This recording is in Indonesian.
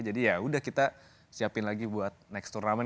jadi ya udah kita siapin lagi buat next turnamen